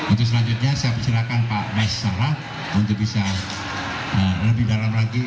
untuk selanjutnya saya persilahkan pak basara untuk bisa lebih dalam lagi